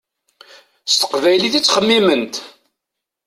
S teqbaylit i ttxemmiment.